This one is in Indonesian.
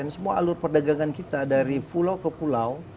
semua alur perdagangan kita dari pulau ke pulau